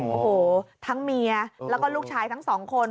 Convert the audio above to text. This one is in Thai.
โอ้โหทั้งเมียแล้วก็ลูกชายทั้งสองคน